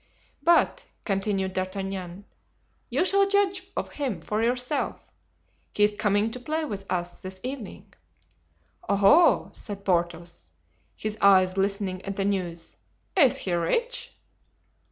"But," continued D'Artagnan, "you shall judge of him for yourself. He is coming to play with us this evening." "Oho!" said Porthos, his eyes glistening at the news. "Is he rich?"